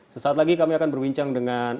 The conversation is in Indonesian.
sesaat lagi kami akan berbincang dengan